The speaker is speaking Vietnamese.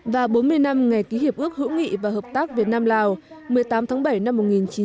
và bốn mươi năm ngày ký hiệp ước hữu nghị và hợp tác việt nam lào một mươi tám tháng bảy năm một nghìn chín trăm tám mươi